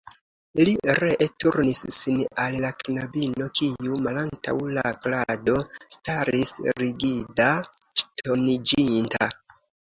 Li ree turnis sin al la knabino, kiu malantaŭ la krado staris rigida, ŝtoniĝinta.